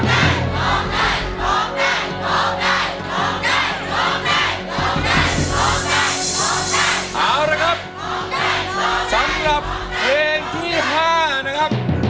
เอาละครับสำหรับเพลงที่๕นะครับ